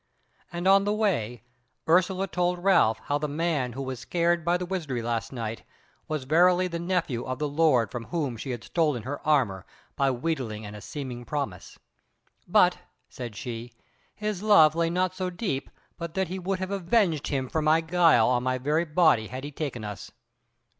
And on the way Ursula told Ralph how the man who was scared by the wizardry last night was verily the nephew of the Lord from whom she had stolen her armour by wheedling and a seeming promise. "But," said she, "his love lay not so deep but that he would have avenged him for my guile on my very body had he taken us."